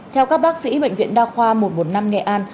theo các bác sĩ bệnh viện đa khoa một trăm một mươi năm nghệ an